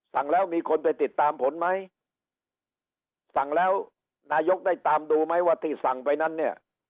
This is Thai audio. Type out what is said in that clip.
สั่งแล้วมีคนไปติดตามผลไหมสั่งแล้วนายกได้ตามดูไหมว่าที่สั่งไปนั้นเนี่ย